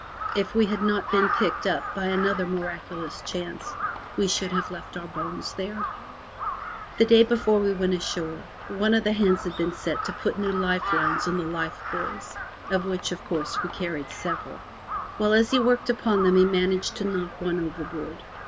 If we had not been picked up by another miraculous chance we should have left our bones there. The day before we went ashore, one of the hands had been set to put new life lines on the life buoys, of which, of course, we carried several. Well, as he worked upon them he managed to knock one overboard.